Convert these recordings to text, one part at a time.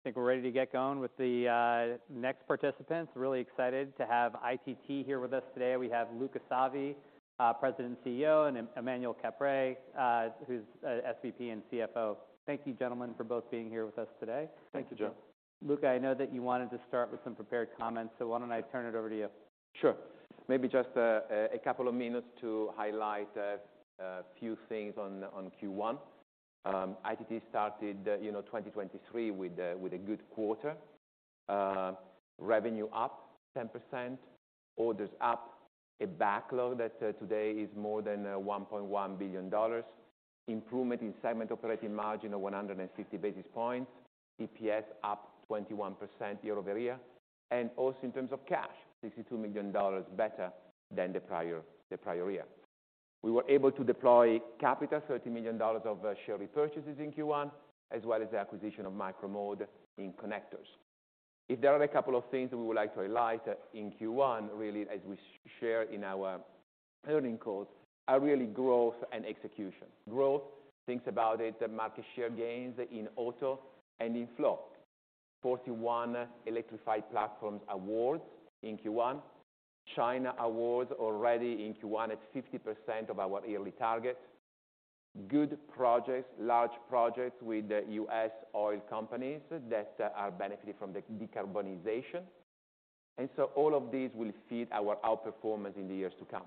I think we're ready to get going with the next participants. Really excited to have ITT here with us today. We have Luca Savi, President and CEO, and Emmanuel Caprais, who's, SVP and CFO. Thank you, gentlemen, for both being here with us today. Thank you, Joe. Luca, I know that you wanted to start with some prepared comments, why don't I turn it over to you? Sure. Maybe just a couple of minutes to highlight a few things on Q1 . ITT started, you know, 2023 with a good quarter. Revenue up 10%, orders up. A backlog that today is more than $1.1 billion. Improvement in segment operating margin of 150 basis points. EPS up 21% year-over-year. Also in terms of cash, $62 million better than the prior year. We were able to deploy capital, $30 million of share repurchases in Q1, as well as the acquisition of Micro-Mode in connectors. If there are a couple of things that we would like to highlight in Q1, really, as we share in our earning calls, are really growth and execution. Growth, thinks about it, market share gains in auto and in flow. 41 electrified platforms awards in Q1. China awards already in Q1 at 50% of our yearly targets. Good projects, large projects with U.S. oil companies that are benefiting from the decarbonization. All of these will feed our outperformance in the years to come.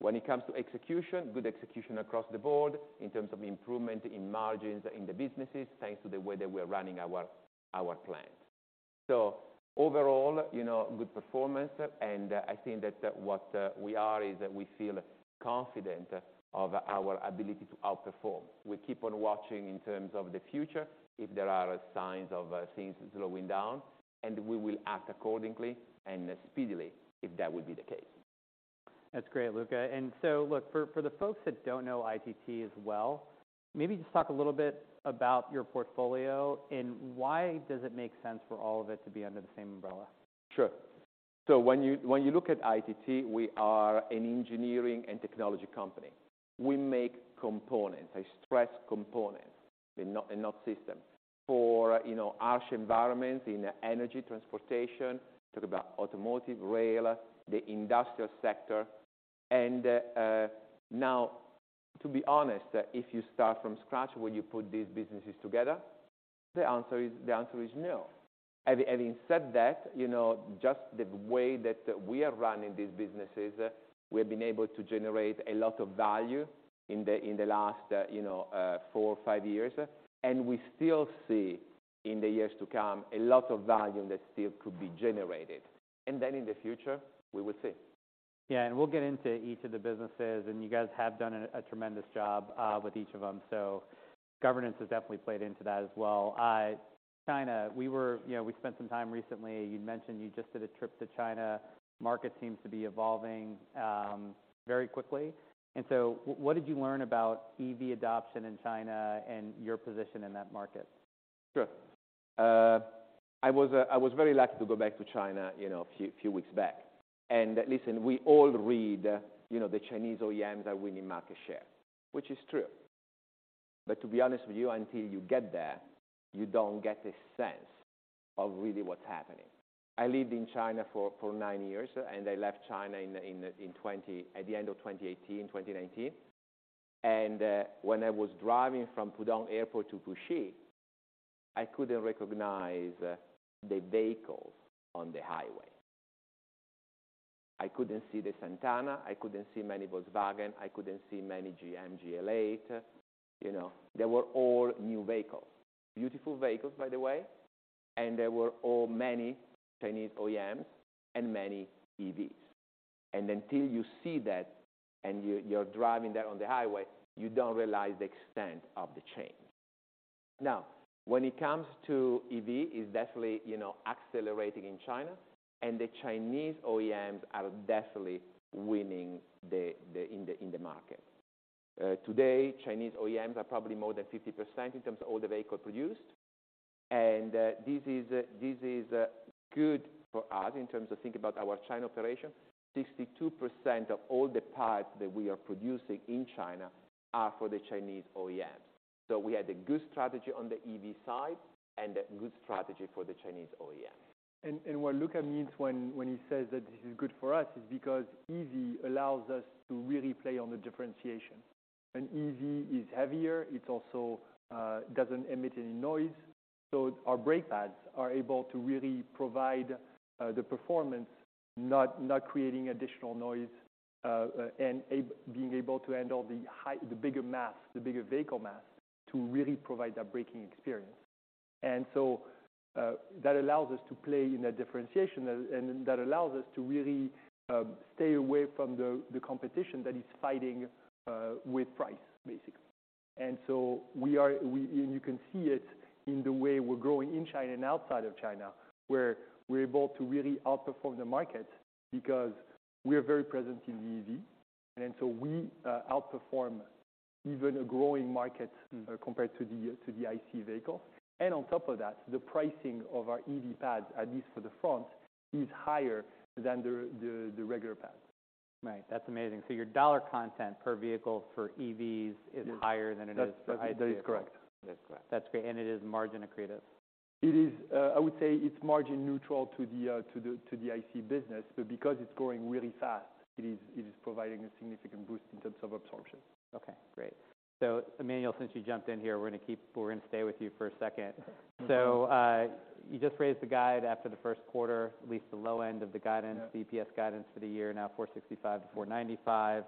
When it comes to execution, good execution across the board in terms of improvement in margins in the businesses, thanks to the way that we're running our plan. Overall, you know, good performance, and I think that what we are is we feel confident of our ability to outperform. We keep on watching in terms of the future, if there are signs of things slowing down, and we will act accordingly and speedily if that would be the case. That's great, Luca. Look, for the folks that don't know ITT as well, maybe just talk a little bit about your portfolio and why does it make sense for all of it to be under the same umbrella? Sure. When you look at ITT, we are an engineering and technology company. We make components, I stress components and not systems, for, you know, harsh environments in energy transportation. Talk about automotive, rail, the industrial sector. Now, to be honest, if you start from scratch when you put these businesses together, the answer is no. Having said that, you know, just the way that we are running these businesses, we've been able to generate a lot of value in the last, you know, 4 or 5 years. We still see in the years to come a lot of value that still could be generated. Then in the future, we will see. Yeah, we'll get into each of the businesses, and you guys have done a tremendous job with each of them, so governance has definitely played into that as well. China, you know, we spent some time recently, you'd mentioned you just did a trip to China. Market seems to be evolving very quickly. What did you learn about EV adoption in China and your position in that market? Sure. I was very lucky to go back to China, you know, a few weeks back. Listen, we all read, you know, the Chinese OEMs are winning market share, which is true. To be honest with you, until you get there, you don't get a sense of really what's happening. I lived in China for nine years, I left China at the end of 2018, 2019. When I was driving from Pudong Airport to Puxi, I couldn't recognize the vehicles on the highway. I couldn't see the Santana, I couldn't see many Volkswagen, I couldn't see many GM, GLA. You know, they were all new vehicles. Beautiful vehicles, by the way. They were all many Chinese OEMs and many EVs. Until you see that, you're driving there on the highway, you don't realize the extent of the change. Now, when it comes to EV, it's definitely, you know, accelerating in China, and the Chinese OEMs are definitely winning the market. Today, Chinese OEMs are probably more than 50% in terms of all the vehicle produced. This is good for us in terms of thinking about our China operation. 62% of all the parts that we are producing in China are for the Chinese OEMs. We had a good strategy on the EV side and a good strategy for the Chinese OEMs. What Luca means when he says that this is good for us, is because EV allows us to really play on the differentiation. An EV is heavier. It also doesn't emit any noise. Our brake pads are able to really provide the performance, not creating additional noise and being able to handle the bigger mass, the bigger vehicle mass, to really provide that braking experience. That allows us to play in that differentiation and that allows us to really stay away from the competition that is fighting with price, basically. We are and you can see it in the way we're growing in China and outside of China, where we're able to really outperform the market because we are very present in the EV. We outperform even a growing market compared to the IC vehicle. On top of that, the pricing of our EV pads, at least for the front, is higher than the regular pads. Right. That's amazing. Your dollar content per vehicle for EVs. Yes is higher than it is for That's, that is correct. That is correct. That's great. It is margin accretive. It is, I would say it's margin neutral to the, to the, to the IC business. Because it's growing really fast, it is, it is providing a significant boost in terms of absorption. Okay, great. Emmanuel, since you jumped in here, we're gonna stay with you for a second. You just raised the guide after the first quarter, at least the low end of the guidance. Yeah... EPS guidance for the year, now $4.65-$4.95.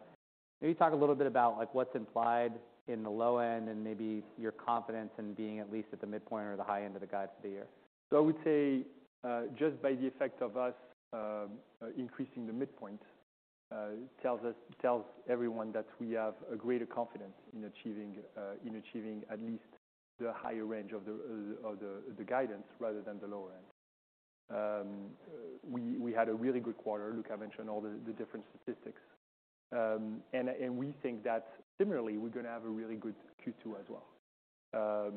Can you talk a little bit about, like, what's implied in the low end and maybe your confidence in being at least at the midpoint or the high end of the guide for the year? I would say, just by the effect of us increasing the midpoint, tells everyone that we have a greater confidence in achieving in achieving at least the higher range of the guidance rather than the lower end. We had a really good quarter. Luca Savi mentioned all the different statistics. We think that similarly, we're gonna have a really good Q2 as well.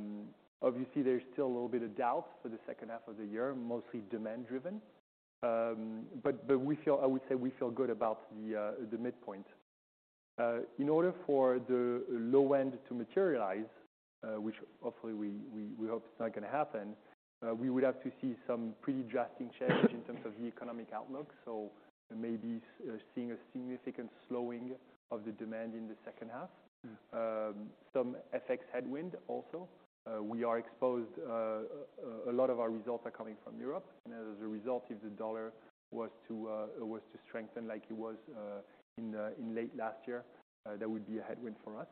Obviously, there's still a little bit of doubt for the second half of the year, mostly demand driven. I would say we feel good about the midpoint. In order for the low end to materialize, which hopefully we hope it's not gonna happen, we would have to see some pretty drastic change in terms of the economic outlook. Maybe seeing a significant slowing of the demand in the second half. Some FX headwind also. We are exposed, a lot of our results are coming from Europe. As a result, if the dollar was to strengthen like it was in late last year, that would be a headwind for us.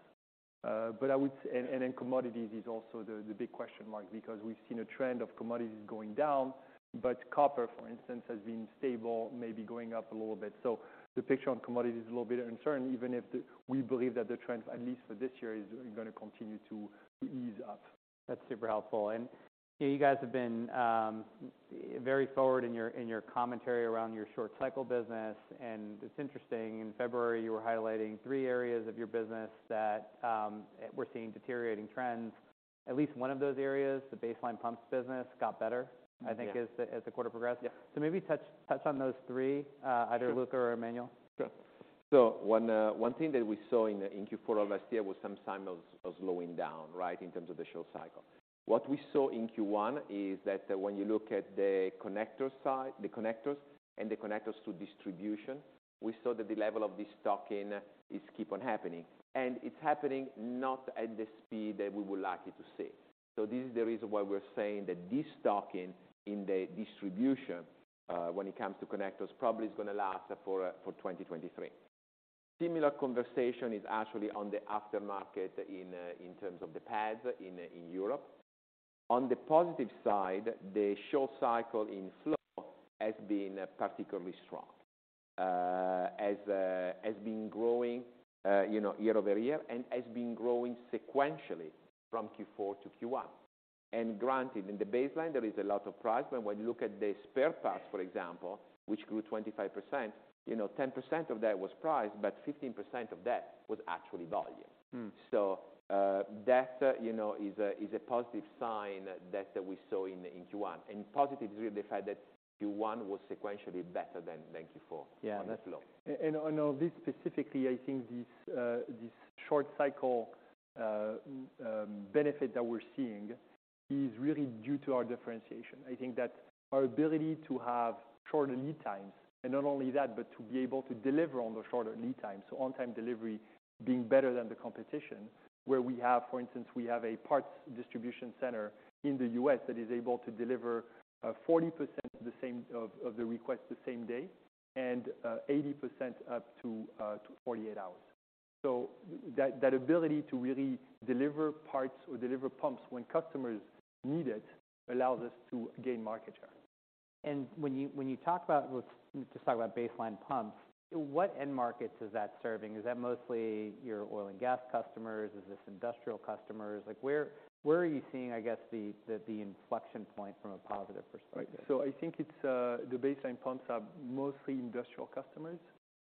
I would and then commodities is also the big question mark, because we've seen a trend of commodities going down, but copper, for instance, has been stable, maybe going up a little bit. The picture on commodities is a little bit uncertain, even if we believe that the trend, at least for this year, is gonna continue to ease up. That's super helpful. You know, you guys have been very forward in your commentary around your short cycle business. It's interesting, in February, you were highlighting three areas of your business that were seeing deteriorating trends. At least one of those areas, the baseline pumps business, got better. Yeah. I think as the quarter progressed. Yeah. maybe touch on those three. Sure either Luca or Emmanuel. Sure. One thing that we saw in Q4 of last year was some signs of slowing down, right, in terms of the short cycle. What we saw in Q1 is that when you look at the connector side, the connectors and the connectors to distribution, we saw that the level of destocking is keep on happening. It's happening not at the speed that we would like it to see. This is the reason why we're saying that destocking in the distribution, when it comes to connectors, probably is gonna last for 2023. Similar conversation is actually on the aftermarket in terms of the pads in Europe. On the positive side, the short cycle in flow has been particularly strong. has been growing, you know, year-over-year and has been growing sequentially from Q4 to Q1. Granted, in the baseline, there is a lot of price. When you look at the spare parts, for example, which grew 25%, you know, 10% of that was price, but 15% of that was actually volume. Mm. That, you know, is a positive sign that we saw in Q1. Positive is really the fact that Q1 was sequentially better than Q4. Yeah. On the flow. On this specifically, I think this short cycle benefit that we're seeing is really due to our differentiation. I think that our ability to have shorter lead times, and not only that, but to be able to deliver on the shorter lead time, so on time delivery being better than the competition, where we have, for instance, we have a parts distribution center in the U.S. that is able to deliver 40% the same of the request the same day, and 80% up to 48 hours. That ability to really deliver parts or deliver pumps when customers need it allows us to gain market share. When you talk about, let's just talk about baseline pumps, what end markets is that serving? Is that mostly your oil and gas customers? Is this industrial customers? Like, where are you seeing, I guess, the inflection point from a positive perspective? I think it's the baseline pumps are mostly industrial customers.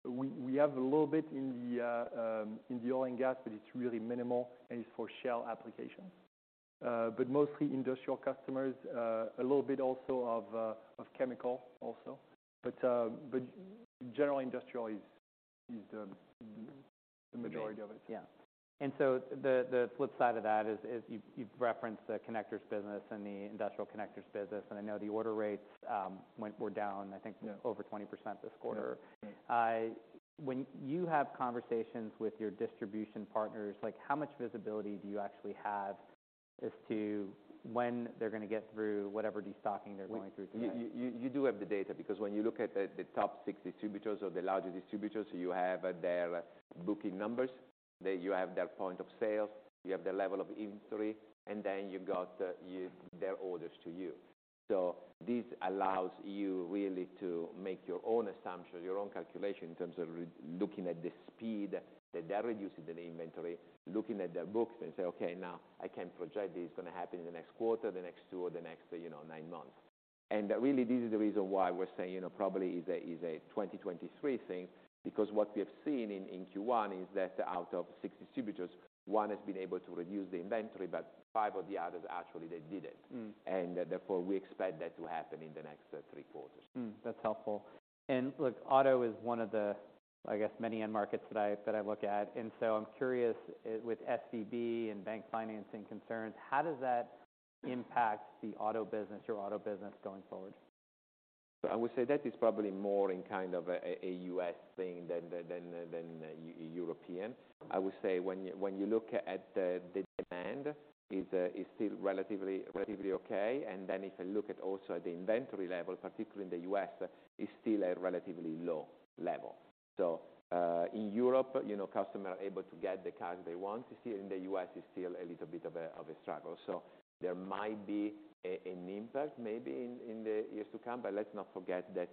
W e have a little bit in the oil and gas, but it's really minimal, and it's for shell applications. But mostly industrial customers. A little bit also of chemical also. But general industrial is the majority of it. Yeah. The flip side of that is, you've referenced the connectors business and the industrial connectors business, and I know the order rates, were down, I think. Yeah over 20% this quarter. Yeah. Right. When you have conversations with your distribution partners, like, how much visibility do you actually have as to when they're gonna get through whatever destocking they're going through today? You do have the data because when you look at the top 6 distributors or the larger distributors, you have their booking numbers. You have their point of sales, you have their level of inventory, you've got their orders to you. This allows you really to make your own assumption, your own calculation in terms of looking at the speed that they're reducing the inventory, looking at their books and say, "Okay, now I can project this is gonna happen in the next quarter, the next two, or the next, you know, nine months." Really, this is the reason why we're saying, you know, probably is a 2023 thing, because what we have seen in Q1 is that out of six distributors, one has been able to reduce the inventory, but five of the others, actually they didn't. Mm. Therefore, we expect that to happen in the next 3 quarters. That's helpful. Look, auto is one of the, I guess, many end markets that I, that I look at. I'm curious, with SVB and bank financing concerns, how does that impact the auto business, your auto business going forward? I would say that is probably more in kind of a U.S. thing than European. I would say when you look at the demand is still relatively okay. If you look at also at the inventory level, particularly in the U.S., is still a relatively low level. In Europe, you know, customer are able to get the cars they want to see. In the U.S., it's still a little bit of a struggle. There might be an impact maybe in the years to come. Let's not forget that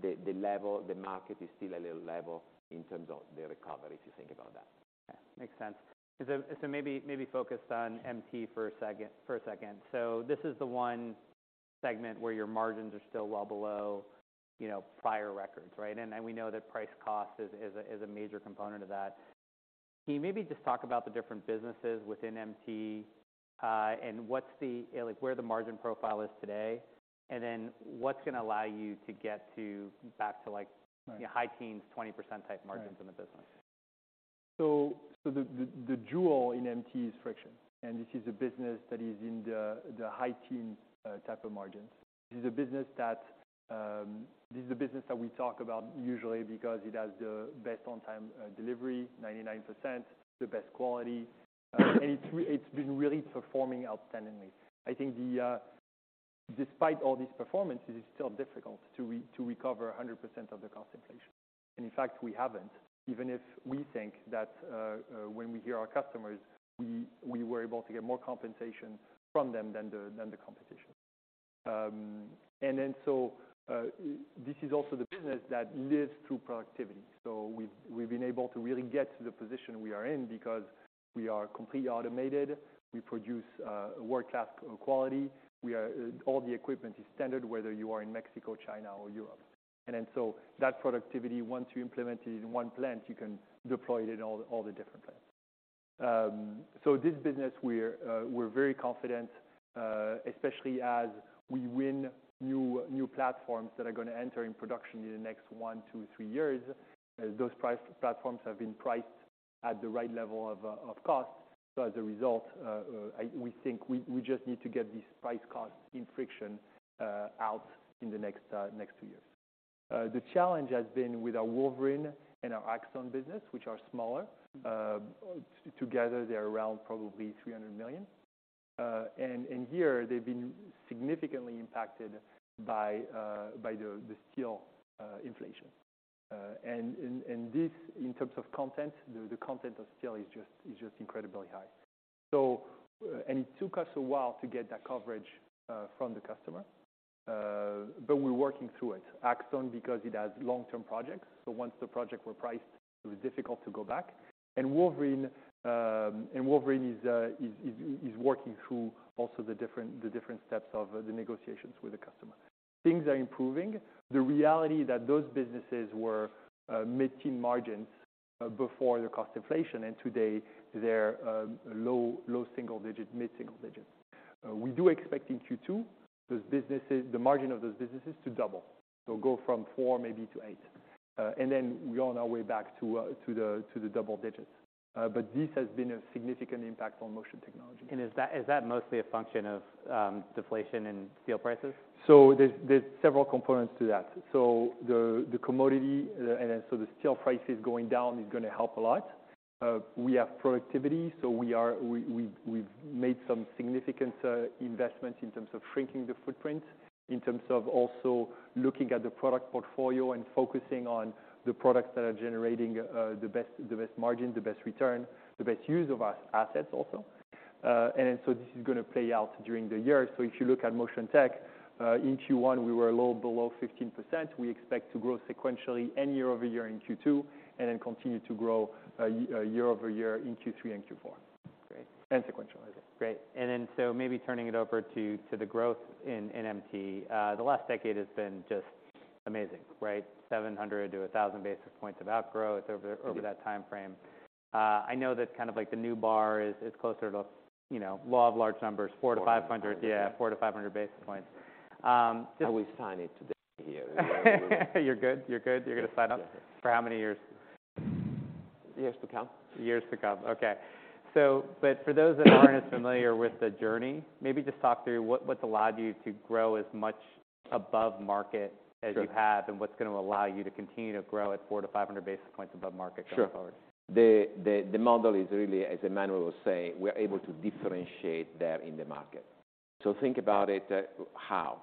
the market is still a low level in terms of the recovery, if you think about that. Okay. Makes sense. Maybe, focused on MT for a second. This is the one segment where your margins are still well below, you know, prior records, right? Then we know that price cost is a major component of that. Can you maybe just talk about the different businesses within MT, and what's the like where the margin profile is today, and then what's gonna allow you to get back to like-? Right... high teens, 20% type margins in the business. The jewel in MT is Friction, and this is a business that is in the high teen type of margins. This is a business that we talk about usually because it has the best on-time delivery, 99%, the best quality. It's been really performing outstandingly. I think the despite all these performances, it's still difficult to recover 100% of the cost inflation. In fact, we haven't, even if we think that when we hear our customers, we were able to get more compensation from them than the competition. This is also the business that lives through productivity. We've been able to really get to the position we are in because we are completely automated. We produce world-class quality. All the equipment is standard, whether you are in Mexico, China, or Europe. That productivity, once you implement it in one plant, you can deploy it in all the different plants. So this business, we're very confident, especially as we win new platforms that are gonna enter in production in the next 1-3 years. Those price platforms have been priced at the right level of cost. As a result, we think we just need to get this price cost in Friction out in the next two years. The challenge has been with our Wolverine and our Axtone business, which are smaller. Together, they're around probably $300 million. In here, they've been significantly impacted by the steel inflation. This, in terms of content, the content of steel is just incredibly high. It took us a while to get that coverage from the customer, but we're working through it. Axtone because it has long-term projects, so once the project were priced, it was difficult to go back. Wolverine, and Wolverine is working through also the different steps of the negotiations with the customer. Things are improving. The reality that those businesses were mid-teen margins before the cost inflation, and today they're low single digit, mid single digit. We do expect in Q2, the margin of those businesses to double. So go from 4% maybe to 8%. We're on our way back to the double digits. This has been a significant impact on Motion Technologies. Is that mostly a function of deflation in steel prices? There's several components to that. The commodity, and so the steel prices going down is gonna help a lot. We have productivity, we've made some significant investments in terms of shrinking the footprint, in terms of also looking at the product portfolio and focusing on the products that are generating the best margin, the best return, the best use of our assets also. This is gonna play out during the year. If you look at Motion Tech, in Q1, we were a little below 15%. We expect to grow sequentially and year-over-year in Q2, and then continue to grow year-over-year in Q3 and Q4. Great. Sequential, I think. Great. maybe turning it over to the growth in MT. The last decade has been just amazing, right? 700 to 1,000 basis points of outgrowth. It is... over that timeframe. I know that kind of like the new bar is closer to, you know, law of large numbers, 4-500. 400-500. Yeah, 400-500 basis points. I will sign it today here. You're good? You're good? You're gonna sign up? Yes, yes. For how many years? Years to come. Years to come. Okay. For those that aren't as familiar with the journey, maybe just talk through what's allowed you to grow as much above market- Sure... as you have, and what's gonna allow you to continue to grow at 4-500 basis points above market going forward? Sure. The model is really, as Emmanuel was saying, we're able to differentiate there in the market. Think about it, how.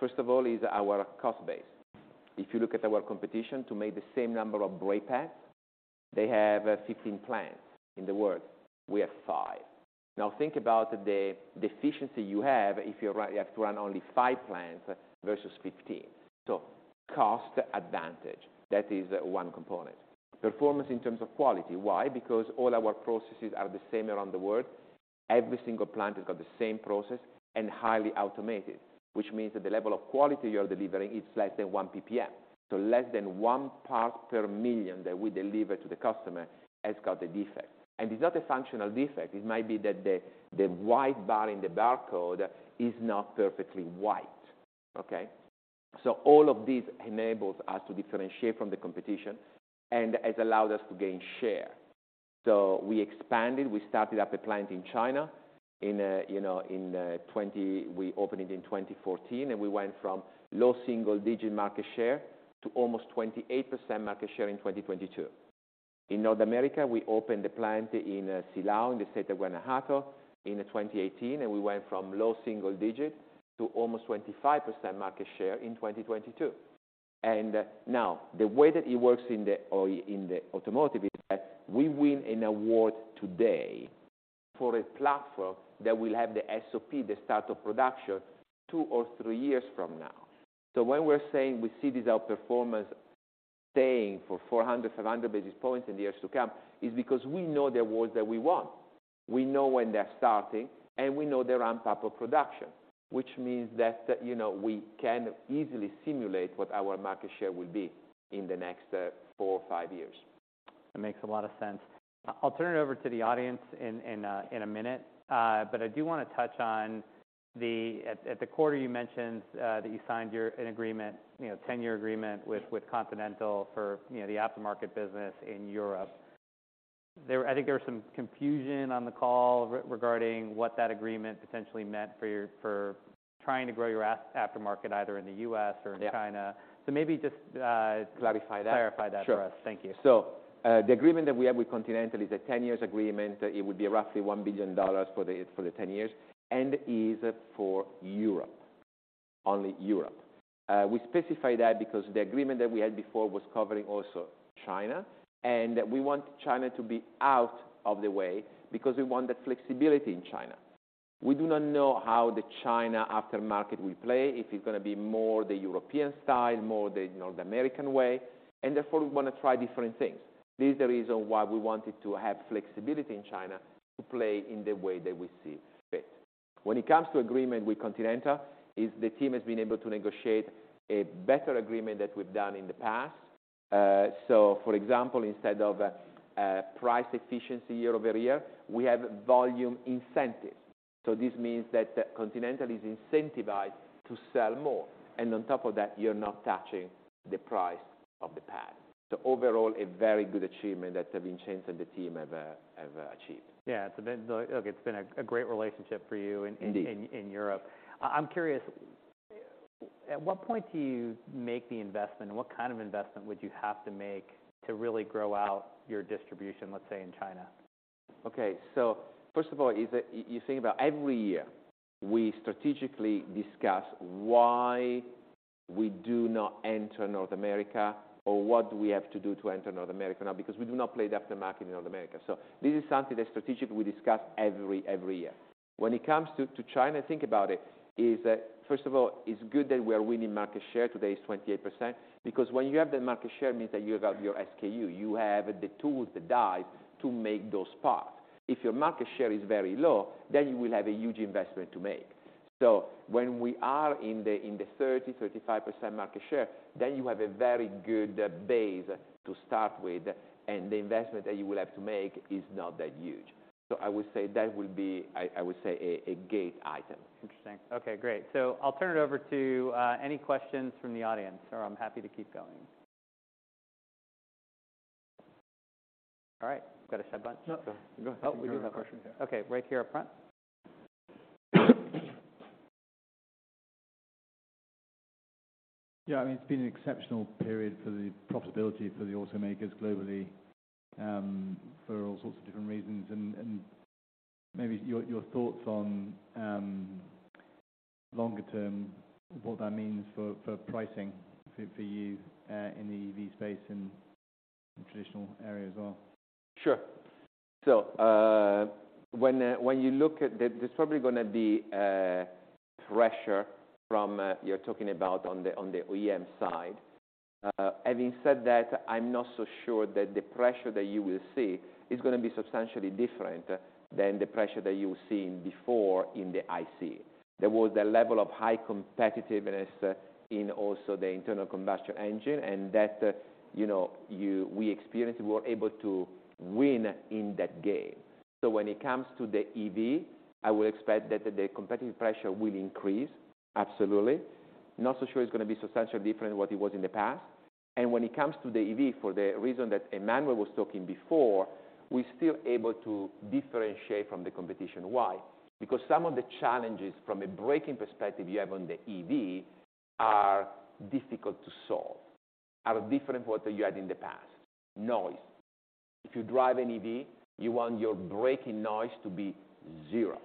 First of all is our cost base. If you look at our competition to make the same number of brake pads, they have 15 plants in the world. We have 5. Think about the deficiency you have if you're you have to run only 5 plants versus 15. Cost advantage, that is 1 component. Performance in terms of quality. Why? All our processes are the same around the world. Every single plant has got the same process and highly automated, which means that the level of quality you're delivering is less than 1 PPM. Less than 1 part per million that we deliver to the customer has got a defect. It's not a functional defect. It might be that the white bar in the barcode is not perfectly white, okay? All of this enables us to differentiate from the competition, and has allowed us to gain share. We expanded, we started up a plant in China in, you know, We opened it in 2014, and we went from low single-digit market share to almost 28% market share in 2022. In North America, we opened a plant in Silao, in the state of Guanajuato in 2018, and we went from low single digit to almost 25% market share in 2022. Now, the way that it works in the automotive is that we win an award today for a platform that will have the SOP, the start of production, 2 or 3 years from now. When we're saying we see this outperformance staying for 400, 500 basis points in the years to come, is because we know the awards that we won. We know when they're starting, and we know the ramp up of production, which means that, you know, we can easily simulate what our market share will be in the next 4 or 5 years. That makes a lot of sense. I'll turn it over to the audience in a minute. I do wanna touch on the... At the quarter, you mentioned that you signed an agreement, you know, 10-year agreement with Continental for, you know, the aftermarket business in Europe. I think there was some confusion on the call regarding what that agreement potentially meant for trying to grow your aftermarket, either in the US or in China. Yeah. maybe just. Clarify that? Clarify that for us. Sure. Thank you. The agreement that we have with Continental is a 10 years agreement. It would be roughly $1 billion for the 10 years, and is for Europe, only Europe. We specify that because the agreement that we had before was covering also China, and we want China to be out of the way because we want the flexibility in China. We do not know how the China aftermarket will play, if it's gonna be more the European style, more the North American way, and therefore, we wanna try different things. This is the reason why we wanted to have flexibility in China to play in the way that we see fit. When it comes to agreement with Continental, is the team has been able to negotiate a better agreement than we've done in the past. For example, instead of a price efficiency year-over-year, we have volume incentives. This means that Continental is incentivized to sell more, and on top of that, you're not touching the price of the pad. Overall, a very good achievement that Vincenzo and the team have achieved. Yeah. Look, it's been a great relationship for you. Indeed ...in Europe. I'm curious, at what point do you make the investment, and what kind of investment would you have to make to really grow out your distribution, let's say, in China? First of all, you think about every year, we strategically discuss why we do not enter North America or what do we have to do to enter North America now, because we do not play the aftermarket in North America. This is something that strategically we discuss every year. When it comes to China, think about it, first of all, it's good that we are winning market share, today it's 28%, because when you have the market share, means that you have your SKU, you have the tools, the dies to make those parts. If your market share is very low, you will have a huge investment to make. When we are in the 30%-35% market share, then you have a very good base to start with, and the investment that you will have to make is not that huge. I would say that will be, I would say, a gate item. Interesting. Okay, great. I'll turn it over to any questions from the audience, or I'm happy to keep going. All right. Got a sad bunch. No, go. We do have a question here. Oh, we do have one. Okay, right here up front. Yeah. I mean, it's been an exceptional period for the profitability for the automakers globally, for all sorts of different reasons. Maybe your thoughts on, longer term, what that means for pricing for you, in the EV space and in traditional areas as well? Sure. When you look at the... There's probably gonna be pressure from, you're talking about on the OEM side. Having said that, I'm not so sure that the pressure that you will see is gonna be substantially different than the pressure that you've seen before in the IC. There was a level of high competitiveness in also the internal combustion engine and that, you know, we experienced, we were able to win in that game. When it comes to the EV, I would expect that the competitive pressure will increase, absolutely. Not so sure it's gonna be substantially different than what it was in the past. When it comes to the EV, for the reason that Emmanuel Caprais was talking before, we're still able to differentiate from the competition. Why? Because some of the challenges from a braking perspective you have on the EV are difficult to solve, are different what you had in the past. Noise. If you drive an EV, you want your braking noise to be 0.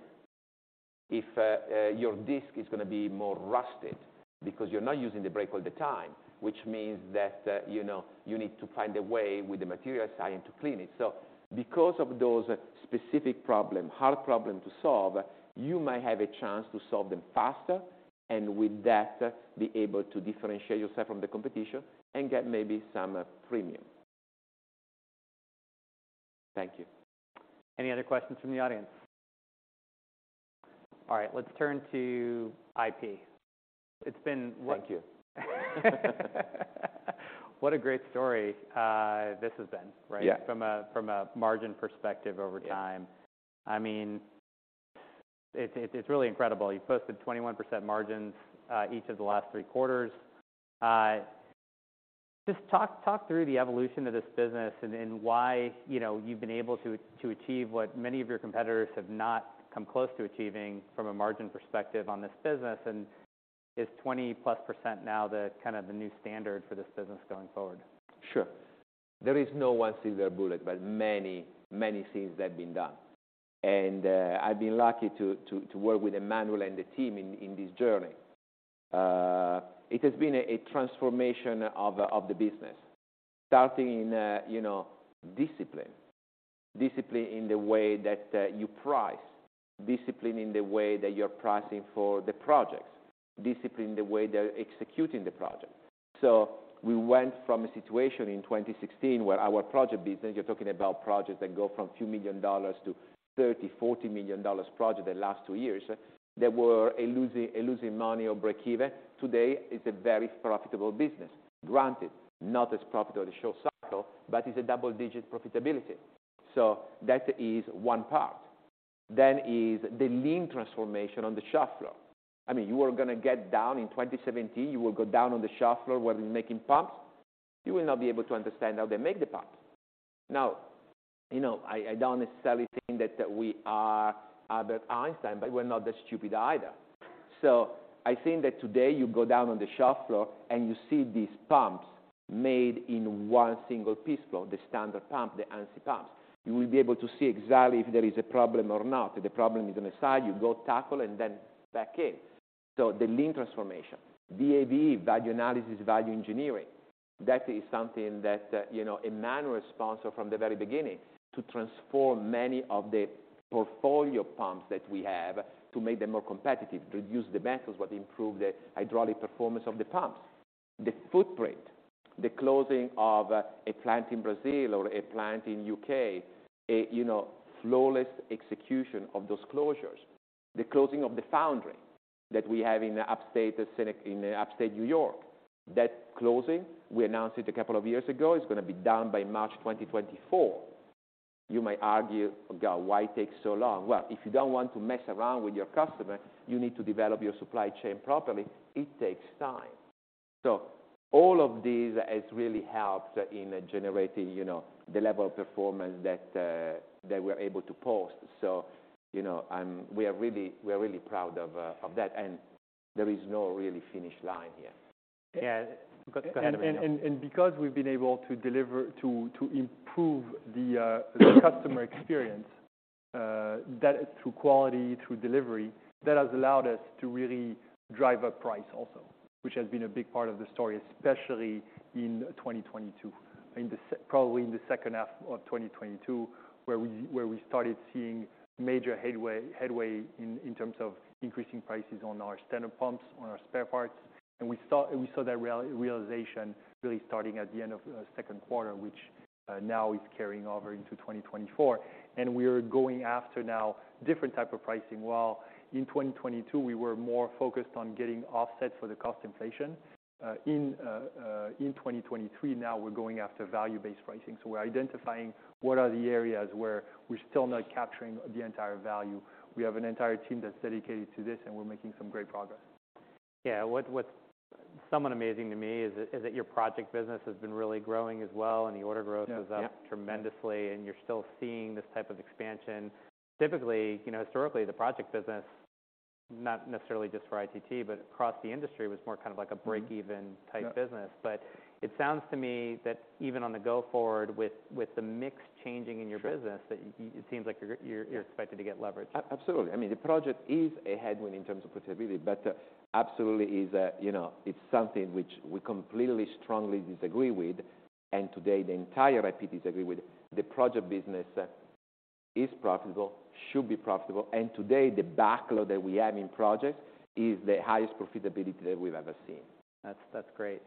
If your disc is gonna be more rusted because you're not using the brake all the time, which means that, you know, you need to find a way with the material side to clean it. Because of those specific problem, hard problem to solve, you might have a chance to solve them faster, and with that, be able to differentiate yourself from the competition and get maybe some premium. Thank you. Any other questions from the audience? All right. Let's turn to IP. It's been- Thank you. What a great story, this has been, right? Yeah. From a margin perspective over time. Yeah. I mean, it's, it's really incredible. You've posted 21% margins each of the last 3 quarters. Just talk through the evolution of this business and why, you know, you've been able to achieve what many of your competitors have not come close to achieving from a margin perspective on this business. Is 20+% now the kind of the new standard for this business going forward? Sure. There is no singular bullet, but many, many things that have been done. I've been lucky to work with Emmanuel Caprais and the team in this journey. It has been a transformation of the business starting in, you know, discipline. Discipline in the way that you price, discipline in the way that you're pricing for the projects, discipline in the way they're executing the project. We went from a situation in 2016 where our project business, you're talking about projects that go from $2 million to $30 million - $40 million project the last two years, they were losing money or break-even. Today, it's a very profitable business. Granted, not as profitable as short cycle, but it's a double-digit profitability. That is one part. Is the lean transformation on the shop floor. I mean, you are gonna get down in 2017, you will go down on the shop floor where we're making pumps. You will not be able to understand how they make the pumps. Now, you know, I don't necessarily think that we are Albert Einstein, but we're not that stupid either. I think that today you go down on the shop floor and you see these pumps made in one single piece flow, the standard pump, the ANSI pumps. You will be able to see exactly if there is a problem or not. If the problem is on the side, you go tackle and then back in. The lean transformation. VAVE, value analysis, value engineering, that is something that, you know, Emmanuel Capra sponsor from the very beginning to transform many of the portfolio pumps that we have to make them more competitive, to reduce the metals, but improve the hydraulic performance of the pumps. The footprint, the closing of a plant in Brazil or a plant in UK, you know, flawless execution of those closures. The closing of the foundry that we have in upstate New York. That closing, we announced it a couple of years ago, is gonna be done by March 2024. You might argue, "God, why it takes so long?" Well, if you don't want to mess around with your customer, you need to develop your supply chain properly. It takes time. All of these has really helped in generating, you know, the level of performance that we're able to post. You know, we are really proud of that, and there is no really finish line here. Yeah. Go ahead, Emmanuel. Because we've been able to deliver to improve the customer experience that through quality, through delivery, that has allowed us to really drive up price also, which has been a big part of the story, especially in 2022, probably in the second half of 2022 where we started seeing major headway in terms of increasing prices on our standard pumps, on our spare parts. We saw that realization really starting at the end of second quarter, which now is carrying over into 2024. We are going after now different type of pricing. While in 2022, we were more focused on getting offsets for the cost inflation in 2023 now we're going after value-based pricing. We're identifying what are the areas where we're still not capturing the entire value. We have an entire team that's dedicated to this, and we're making some great progress. What's somewhat amazing to me is that your project business has been really growing as well, and the order growth... Yeah. Yeah. -is up tremendously, and you're still seeing this type of expansion. Typically, you know, historically, the project business, not necessarily just for ITT, but across the industry, was more kind of like a break-even. Mm-hmm. Yeah. -type business. It sounds to me that even on the go forward with the mix changing in your business. Sure. -that it seems like you're expected to get leverage. Absolutely. I mean, the project is a headwind in terms of profitability, but absolutely is, you know, it's something which we completely strongly disagree with, and today the entire ITT disagree with. The project business is profitable, should be profitable, and today the backlog that we have in projects is the highest profitability that we've ever seen. That's great.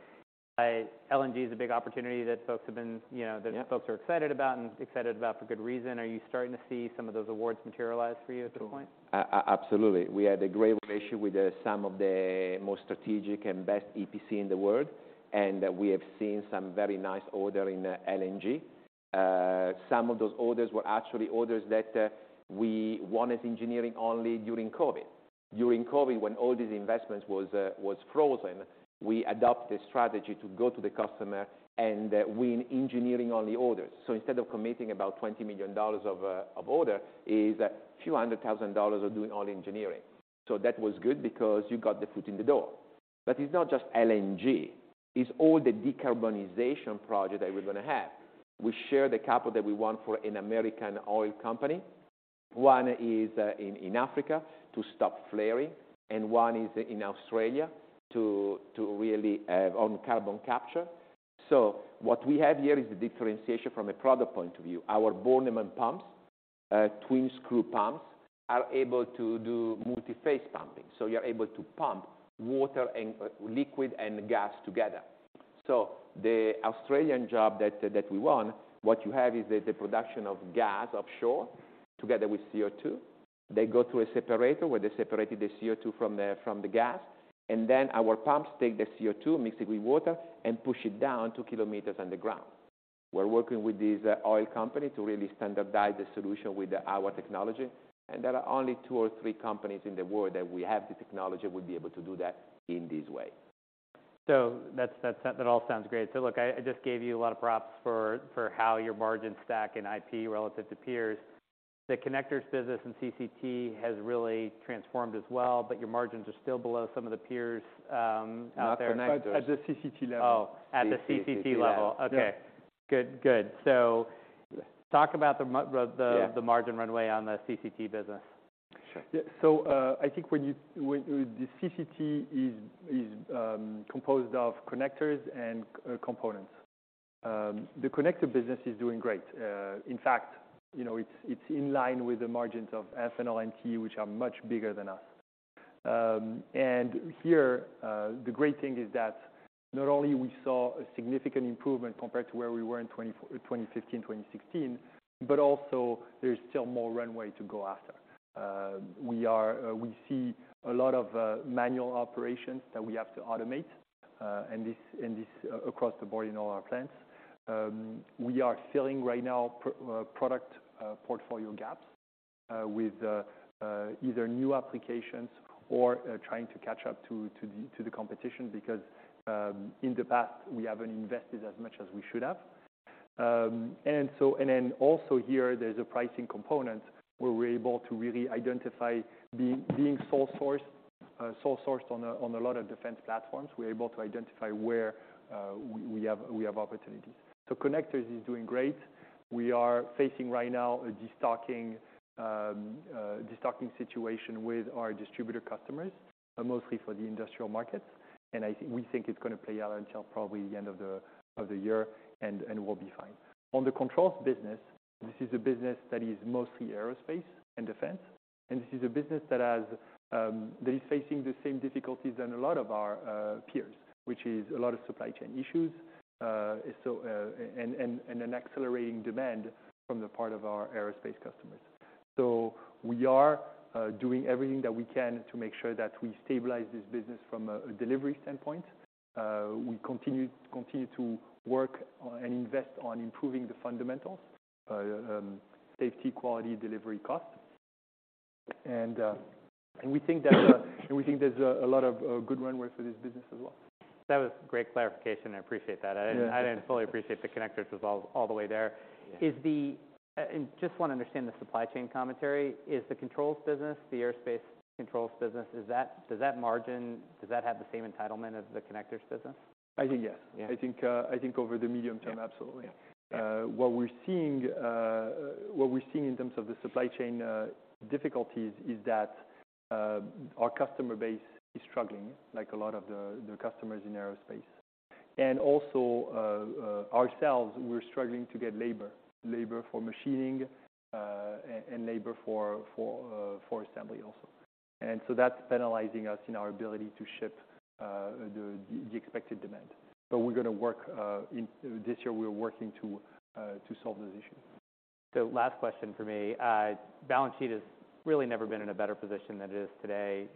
LNG is a big opportunity that folks have been, you know. Yeah. that folks are excited about and excited about for good reason. Are you starting to see some of those awards materialize for you at this point? Absolutely. We had a great relationship with some of the most strategic and best EPC in the world. We have seen some very nice order in LNG. Some of those orders were actually orders that we won as engineering only during COVID. During COVID, when all these investments was frozen, we adopt the strategy to go to the customer. We win engineering on the orders. Instead of committing about $20 million of order, is a few $100,000 of doing all engineering. It's not just LNG. It's all the decarbonization project that we're gonna have. We share the capital that we won for an American oil company. One is in Africa to stop flaring, and one is in Australia to really on carbon capture. What we have here is the differentiation from a product point of view. Our Bornemann pumps, Twin Screw Pumps, are able to do multiphase pumping. You're able to pump water and liquid and gas together. The Australian job that we won, what you have is the production of gas offshore together with CO2. They go to a separator, where they separated the CO2 from the gas, and then our pumps take the CO2, mix it with water, and push it down two kilometers underground. We're working with this oil company to really standardize the solution with our technology. There are only two or three companies in the world that we have the technology would be able to do that in this way. That's, that all sounds great. Look, I just gave you a lot of props for how your margins stack in IP relative to peers. The connectors business in CCT has really transformed as well, but your margins are still below some of the peers out there. Not connectors. At the CCT level. Oh, at the CCT level. Okay, good. Talk about the. Yeah the margin runway on the CCT business. Sure. Yeah. I think when the CCT is composed of connectors and components. The connector business is doing great. In fact, you know, it's in line with the margins of GD and LMT, which are much bigger than us. Here, the great thing is that not only we saw a significant improvement compared to where we were in 2015, 2016, but also there's still more runway to go after. We see a lot of manual operations that we have to automate, across the board in all our plants. We are filling right now product portfolio gaps with either new applications or trying to catch up to the competition because in the past we haven't invested as much as we should have. Also here there's a pricing component where we're able to really identify being sole sourced on a lot of defense platforms. We're able to identify where we have opportunities. Connectors is doing great. We are facing right now a destocking situation with our distributor customers, mostly for the industrial markets. We think it's gonna play out until probably the end of the year, and we'll be fine. On the controls business, this is a business that is mostly aerospace and defense, and this is a business that has that is facing the same difficulties than a lot of our peers, which is a lot of supply chain issues. An accelerating demand from the part of our aerospace customers. We are doing everything that we can to make sure that we stabilize this business from a delivery standpoint. We continue to work on and invest on improving the fundamentals, safety, quality, delivery, cost. We think there's a lot of good runway for this business as well. That was great clarification. I appreciate that. Yeah. I didn't fully appreciate the connectors was all the way there. Yeah. Is the just wanna understand the supply chain commentary. Is the controls business, the aerospace controls business, does that margin, does that have the same entitlement as the connectors business? I think yes. Yeah. I think, I think over the medium term, absolutely. Yeah. Yeah. What we're seeing in terms of the supply chain difficulties is that our customer base is struggling like a lot of the customers in aerospace. Also, ourselves, we're struggling to get labor for machining and labor for assembly also. That's penalizing us in our ability to ship the expected demand. We're gonna work. This year, we're working to solve this issue. Last question from me. Balance sheet has really never been in a better position than it is today.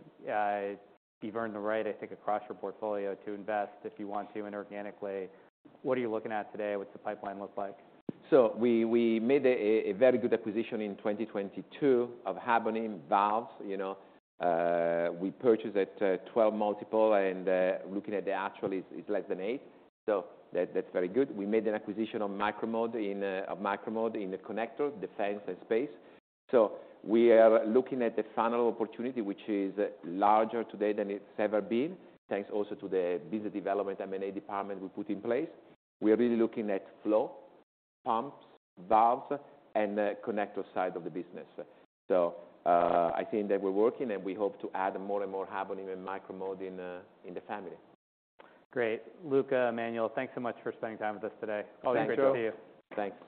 You've earned the right, I think, across your portfolio to invest if you want to, and organically, what are you looking at today? What's the pipeline look like? We made a very good acquisition in 2022 of Habonim Valves. You know, we purchased at 12x multiple, and looking at the actual is less than 8. That's very good. We made an acquisition of Micro-Mode in the connector, defense and space. We are looking at the funnel opportunity, which is larger today than it's ever been. Thanks also to the business development M&A department we put in place. We are really looking at flow, pumps, valves, and the connector side of the business. I think that we're working, and we hope to add more and more Habonim and Micro-Mode in the family. Great. Luca, Emmanuel, thanks so much for spending time with us today. Thank you. Thank you. Great to see you. Thanks.